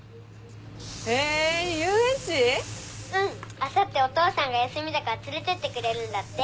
あさってお父さんが休みだから連れてってくれるんだって。